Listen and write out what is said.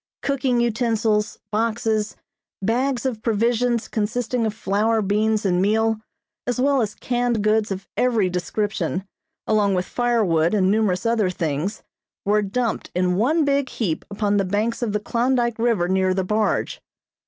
Cooking utensils, boxes, bags of provisions consisting of flour, beans and meal, as well as canned goods of every description, along with firewood and numerous other things, were dumped in one big heap upon the banks of the Klondyke River near the barge.